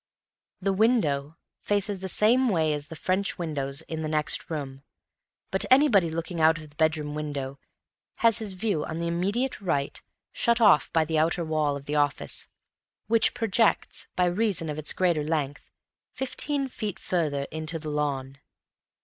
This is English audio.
The window faces the same way as the French windows in the next room; but anybody looking out of the bedroom window has his view on the immediate right shut off by the outer wall of the office, which projects, by reason of its greater length, fifteen feet further into the lawn.